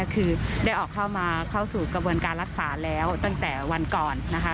คือได้ออกเข้ามาเข้าสู่กระบวนการรักษาแล้วตั้งแต่วันก่อนนะคะ